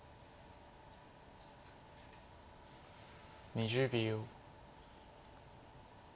２０秒。